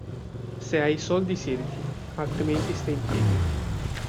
Se hai i soldi siedi altrimenti stai in piedi.